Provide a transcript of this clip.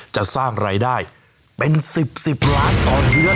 จะสร้างรายได้เป็น๑๐๑๐ล้านต่อเดือน